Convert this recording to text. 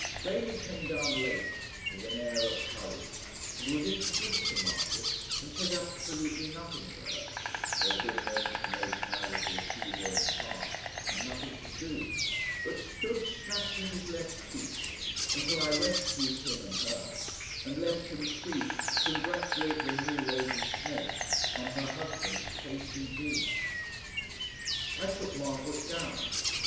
Bailey came down late with an air of hurry, and was introduced to Margaret and said absolutely nothing to her there being no information either to receive or impart and nothing to do but stood snatching his left cheek until I rescued him and her, and left him free to congratulate the new Lady Snape on her husband's K. C. B. I took Margaret down.